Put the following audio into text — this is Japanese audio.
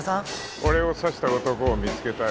俺を刺した男を見つけたよ